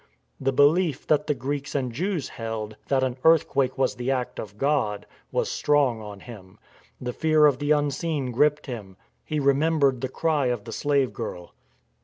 The beHef that the Greeks and Jews held, that an earthquake was the act of God, was strong on him. The fear of the unseen gripped him. He remembered the cry of the slave girl.